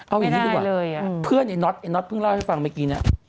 เอาอย่างนี้ดีกว่าเพื่อนไอ้น็อตไอ้น็อเพิ่งเล่าให้ฟังเมื่อกี้เนี่ย